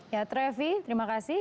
ya trevi terima kasih